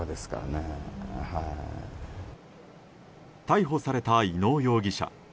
逮捕された伊能容疑者。